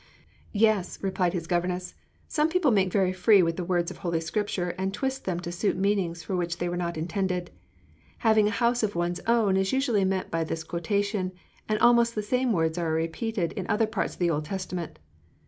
"Yes," replied his governess, "some persons make very free with the words of Holy Scripture and twist them to suit meanings for which they were not intended. Having a house of one's own is usually meant by this quotation, and almost the same words are repeated in other parts of the Old Testament.